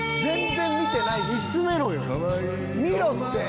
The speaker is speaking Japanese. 全然見てないし！